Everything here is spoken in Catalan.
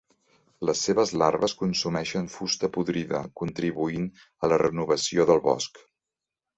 Les seves larves consumeixen fusta podrida contribuint a la renovació del bosc.